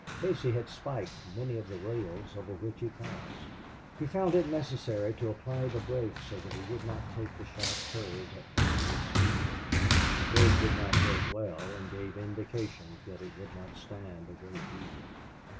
Casey had spiked many of the rails over which he passed. He found it necessary to apply the brake so that he would not take the sharp curves at dangerous speed. The brake did not work well and gave indications that it would not stand a great deal.